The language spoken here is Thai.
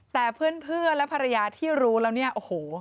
แต่เพื่อนและภรรยาที่รู้แล้วเนี่ยโอ้โห